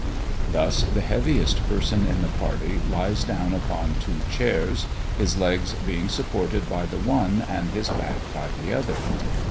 Thus, the heaviest person in the party lies down upon two chairs, his legs being supported by the one, and his back by the other.